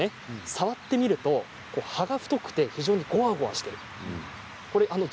触ってみると葉が太くてごわごわしています。